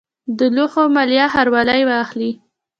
د لوحو مالیه ښاروالۍ اخلي